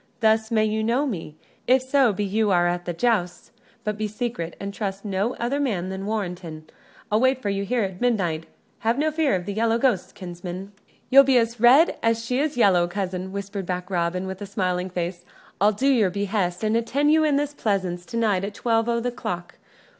Thus may you know me, if so be you are at the jousts; but be secret, and trust no other man than Warrenton. I'll wait you here at midnight have no fear of the yellow ghost, kinsman!" "You'll be as red as she is yellow, cousin," whispered back Robin, with smiling face. "I'll do your behest, and attend you in this pleasance to night at twelve o' th' clock.